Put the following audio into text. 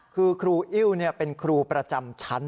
คือครูอิ้วเป็นครูประจำชั้น